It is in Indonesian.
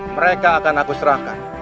mereka akan aku serahkan